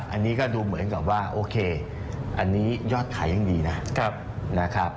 อันนี้ก็ดูเหมือนกับว่าโอเคอันนี้ยอดขายยังดีนะครับ